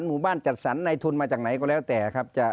หมู่บ้านจัดสรรในทุนมาจากไหนก็แล้วแต่ครับ